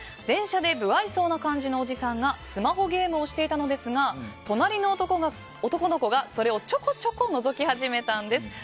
電車で不愛想な感じのおじさんがスマホゲームをしていたのですが隣の男の子が、それをちょこちょこのぞき始めたんです。